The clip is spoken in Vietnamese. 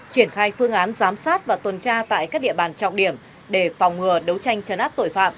triển khai phương án giám sát và tuần tra tại các địa bàn trọng điểm để phòng ngừa đấu tranh chấn áp tội phạm